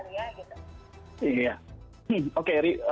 ntar dulu ya gitu